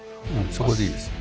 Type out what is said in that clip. そこでいいです。